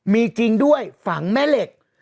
มีจริงด้วยฝังแม่เหล็ก